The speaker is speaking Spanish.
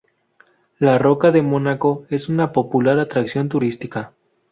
La Roca de Mónaco es una popular atracción turística.